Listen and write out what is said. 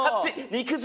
肉汁！